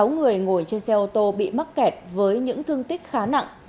sáu người ngồi trên xe ô tô bị mắc kẹt với những thương tích khá nặng